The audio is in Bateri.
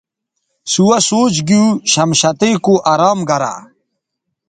سوہسوچ گیو چہ شمشتئ کو ارام گرہ